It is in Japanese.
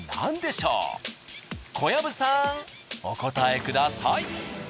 お答えください。